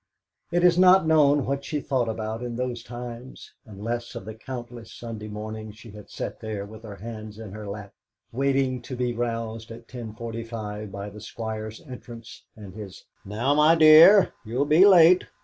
It is not known what she thought about at those times, unless of the countless Sunday mornings she had sat there with her hands in her lap waiting to be roused at 10.45 by the Squire's entrance and his "Now, my dear, you'll be late!"